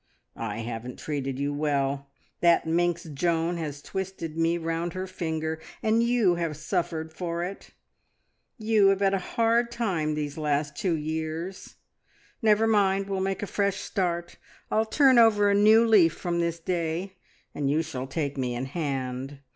"I haven't treated you well. That minx Joan has twisted me round her finger, and you have suffered for it. You have had a hard time these last two years. Never mind, we'll make a fresh start. I'll turn over a new leaf from this day, and you shall take me in hand.